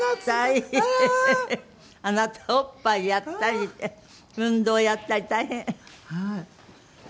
あなたおっぱいやったりね運動やったり大変。